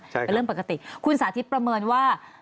ใช่ค่ะคุณสาธิตประเมินว่า